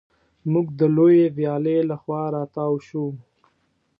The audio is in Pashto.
موږ د لویې ویالې له خوا را تاو شوو.